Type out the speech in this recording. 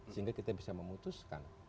sehingga kita bisa memutuskan